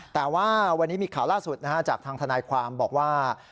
แต่ว่าวันนี้มีข่าวล่าสุดจากทางทนายความบอกว่า